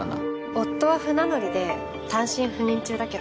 夫は船乗りで単身赴任中だけど。